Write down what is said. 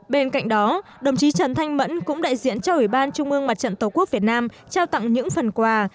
bên cạnh đó đồng chí trần thanh mẫn cũng đại diện cho ủy ban trung ương mặt trận tổ quốc việt nam trao tặng những phần quà